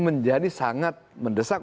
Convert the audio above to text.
menjadi sangat mendesak